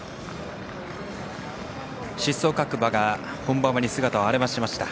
出走各馬が本馬場に姿を現しました。